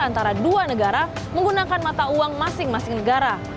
antara dua negara menggunakan mata uang masing masing negara